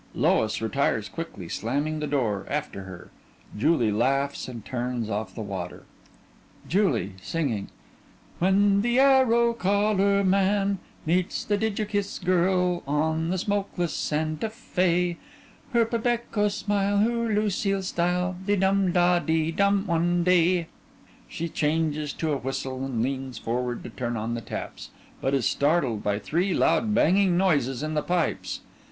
LOIS retires quickly, slamming the door after her. JULIE laughs and turns off the water) JULIE: When the Arrow collar man Meets the D'jer kiss girl On the smokeless Sante Fé Her Pebeco smile Her Lucile style De dum da de dum one day (_She changes to a whistle and leans forward to turn on the taps, but is startled by three loud banging noises in the pipes.